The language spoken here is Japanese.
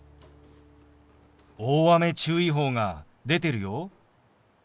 大雨注意報が出てるよ。